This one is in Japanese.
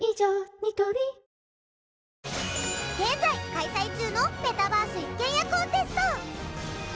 ニトリ現在開催中のメタバース一軒家コンテスト。